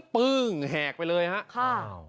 ปื๊ดแหกไปเลยฮะค่ะ